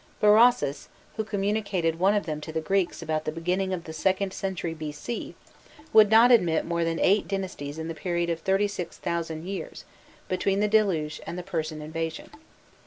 Berossus, who communicated one of them to the Greeks about the beginning of the IInd century B.C., would not admit more than eight dynasties in the period of thirty six thousand years between the Deluge and the Persian invasion.